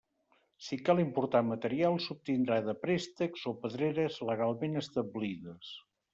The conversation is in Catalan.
Si cal importar material, s'obtindrà de préstecs o pedreres legalment establides.